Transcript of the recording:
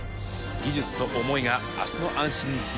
技術と思いが明日の安心につながっていく。